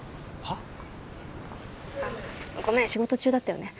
☎あっごめん仕事中だったよね